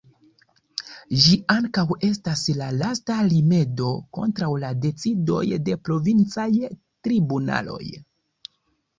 Ĝi ankaŭ estas la lasta rimedo kontraŭ la decidoj de provincaj tribunaloj.